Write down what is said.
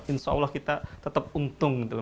insya allah kita tetap untung